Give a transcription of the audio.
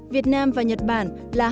việt nam và nhật bản là hai nước đối tác